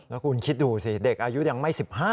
แล้วคุณคิดดูสิเด็กอายุยังไม่๑๕